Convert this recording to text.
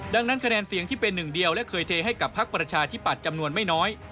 ดังนั้นคะแนนเสียงที่เป็นหนึ่งเดียวและเคยเทให้กับพักประชาธิปัตย์จำนวนไม่น้อย